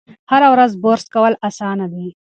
هره ورځ برس کول اسانه دي.